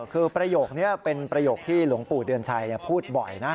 คือประโยคนี้เป็นประโยคที่หลวงปู่เดือนชัยพูดบ่อยนะ